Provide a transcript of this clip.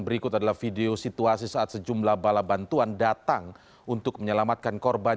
berikut adalah video situasi saat sejumlah bala bantuan datang untuk menyelamatkan korban